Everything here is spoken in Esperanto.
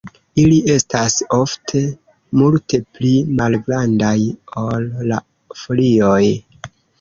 Ili estas ofte multe pli malgrandaj ol la folioj.